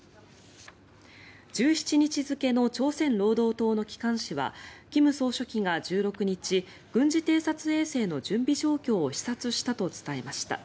１７日付の朝鮮労働党の機関紙は金総書記が１６日軍事偵察衛星の準備状況を視察したと伝えました。